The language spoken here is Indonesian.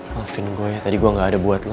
maafin gua ya tadi gua nggak ada buat lu